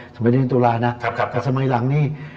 สมัยเรียนตุลานะแต่สมัยหลังนี่